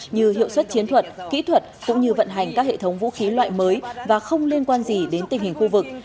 như hiệu suất chiến thuật kỹ thuật cũng như vận hành các hệ thống vũ khí loại mới và không liên quan gì đến tình hình khu vực